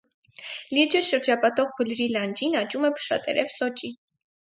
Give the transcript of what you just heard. Լիճը շրջապատող բլրի լանջին աճում է փշատերև սոճի։